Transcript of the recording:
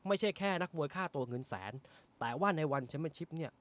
ไม่ใช่แค่นักมวยค่าตัวเงินแสนแต่ว่าในวันแชมเป็นชิปเนี่ย